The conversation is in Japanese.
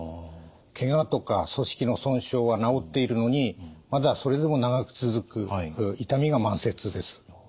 けがとか組織の損傷は治っているのにまだそれでも長く続く痛みが慢性痛です。